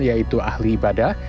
yaitu ahli ibadah